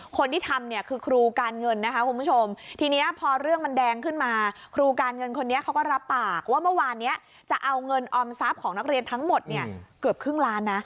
คนที่ทำเนี่ยคือครูการเงินนะคะคุณผู้ชมทีนี้พอเรื่องมันแดงขึ้นมาครูการเงินคนนี้เขาก็รับปากว่าเมื่อวานนี้จะเอาเงินออมทรัพย์ของนักเรียนทั้งหมดเนี่ยเกือบครึ่งล้านนะ